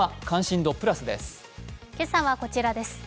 今朝はこちらです。